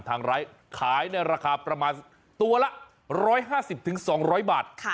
ไร้ขายในราคาประมาณตัวละ๑๕๐๒๐๐บาท